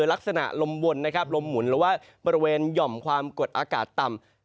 ลักษณะลมวนนะครับลมหมุนหรือว่าบริเวณหย่อมความกดอากาศต่ำ